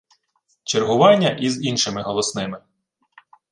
Чергування і з іншими голосними